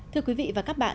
thưa quý vị và các bạn